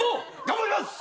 頑張ります！